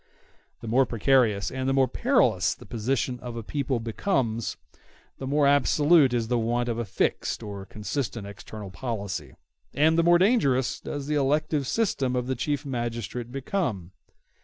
The more precarious and the more perilous the position of a people becomes, the more absolute is the want of a fixed and consistent external policy, and the more dangerous does the elective system of the Chief Magistrate become.